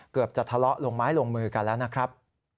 เกือบจะทะเลาะลงไม้ลงมือกันแล้วนะครับ